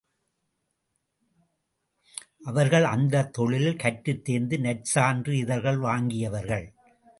அவர்கள் அந்தத் தொழிலில் கற்றுத் தேர்ந்து நற்சான்று இதழ்கள் வாங்கியவர்கள்.